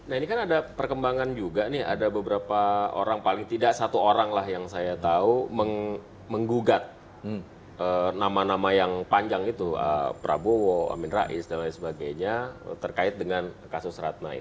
nah ini kan ada perkembangan juga nih ada beberapa orang paling tidak satu orang lah yang saya tahu menggugat nama nama yang panjang itu prabowo amin rais dan lain sebagainya terkait dengan kasus ratna ini